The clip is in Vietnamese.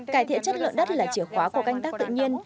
cải thiện chất lượng đất là chìa khóa của canh tác tự nhiên